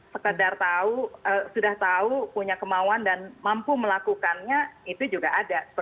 sekedar tahu sudah tahu punya kemauan dan mampu melakukannya itu juga ada